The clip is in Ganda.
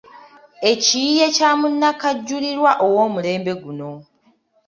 Ekiyiiye kya Munnakajulirwa ow’olumulembe guno.